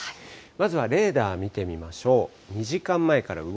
まずはレーダー見てみましょう。